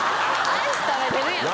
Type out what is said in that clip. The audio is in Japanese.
アイス食べてるやん。